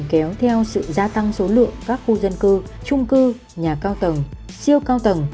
kéo theo sự gia tăng số lượng các khu dân cư trung cư nhà cao tầng siêu cao tầng